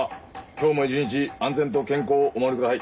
今日も一日安全と健康をお守りください。